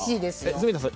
住田さん